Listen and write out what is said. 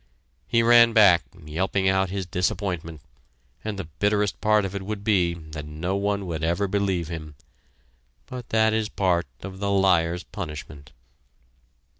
He ran back, yelping out his disappointment, and the bitterest part of it would be that no one would ever believe him but that is part of the liar's punishment.